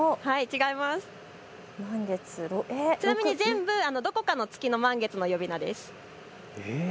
ちなみに全部どこかの月の満月の呼び名です。